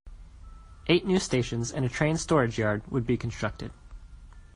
Eight new stations and a train storage yard would be constructed.